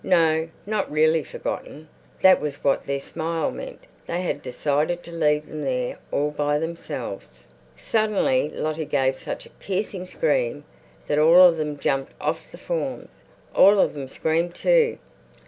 No, not really forgotten. That was what their smile meant. They had decided to leave them there all by themselves. Suddenly Lottie gave such a piercing scream that all of them jumped off the forms, all of them screamed too.